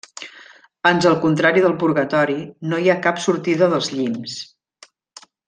Ans al contrari del purgatori, no hi ha cap sortida dels llimbs.